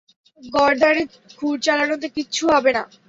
গর্দানে ক্ষুর চালানোতে কিচ্ছু হবে না।